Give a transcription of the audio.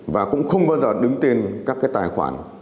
và cũng không bao giờ đứng tên các cái tài khoản